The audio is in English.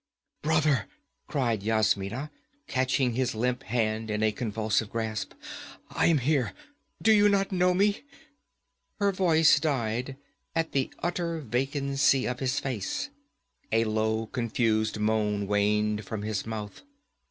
'Brother!' cried Yasmina, catching his limp hand in a convulsive grasp. 'I am here! Do you not know me ' Her voice died at the utter vacancy of his face. A low confused moan waned from his mouth.